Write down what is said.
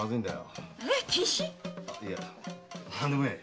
いや何でもない。